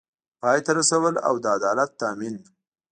پای ته رسول او د عدالت تامین